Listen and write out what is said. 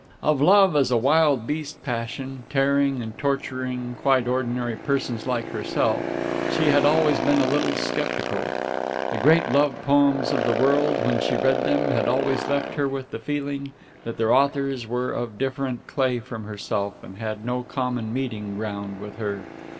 Of love as a wild beast passion, tearing and torturing quite ordinary persons like herself, she had always been a little sceptical. The great love poems of the world, when she read them, had always left her with the feeling that their authors were of different clay from herself and had no common meeting ground with her.